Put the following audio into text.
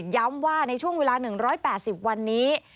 ย้ำว่าในช่วงเวลา๑๘๐วันนี้